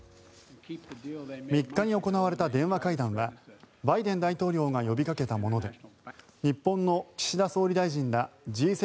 ３日に行われた電話会談はバイデン大統領が呼びかけたもので日本の岸田総理大臣らＧ７